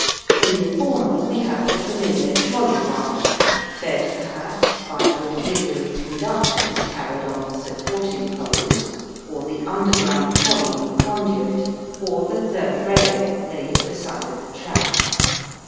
In the former we have the familiar trolley wire, fed perhaps by auxiliary conductors carried on the supporting poles or the underground trolley in the conduit, or the third rail laid at the side of the track.